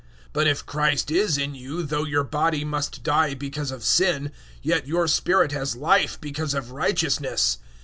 008:010 But if Christ is in you, though your body must die because of sin, yet your spirit has Life because of righteousness.